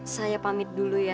saya pamit dulu ya